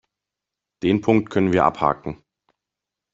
Den Punkt können wir abhaken.